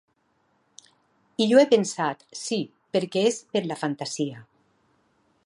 I jo he pensat: Sí, perquè és per la fantasia.